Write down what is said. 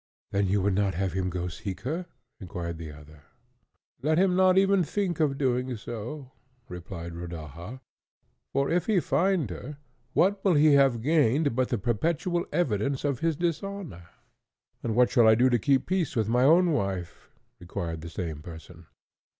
"Then you would not have him go seek her?" inquired the other. "Let him not even think of doing so," returned Rodaja, "for if he find her, what will he have gained but the perpetual evidence of his dishonour?" "And what shall I do to keep peace with my own wife?" inquired the same person.